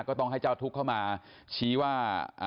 ก็ต้องให้เจ้าทุกข์เข้ามาชี้ว่า